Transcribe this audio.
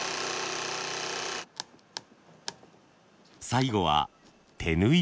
最後は手縫い。